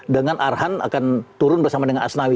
dengan arhan akan turun bersama dengan asnawi